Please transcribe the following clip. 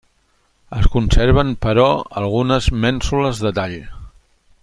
Es conserven, però algunes mènsules de tall.